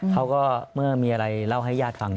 เขาก็เมื่อมีอะไรเล่าให้ญาติฟัง